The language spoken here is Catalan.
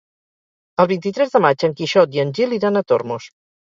El vint-i-tres de maig en Quixot i en Gil iran a Tormos.